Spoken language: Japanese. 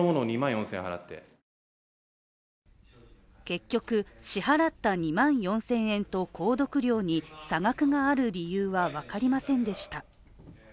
結局、支払った２万４０００円と購読料に差額がある理由は分かりませんでした。